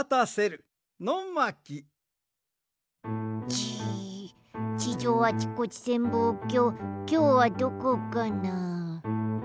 じ地上あちこち潜望鏡きょうはどこかな？